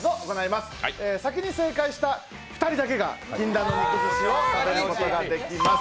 先に正解した２人だけが禁断の肉寿司を食べることができます。